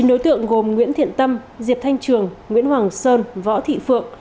bốn đối tượng gồm nguyễn thiện tâm diệp thanh trường nguyễn hoàng sơn võ thị phượng